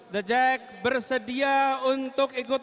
the jack bersedia untuk ikut